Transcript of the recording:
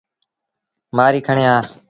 مهآريٚ کڻي آ۔